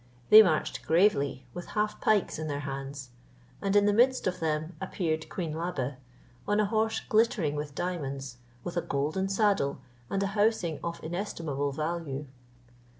They marched gravely, with half pikes in their hands; and in the midst of them appeared Queen Labe, on a horse glittering with diamonds, with a golden saddle, and a housing of inestimable value.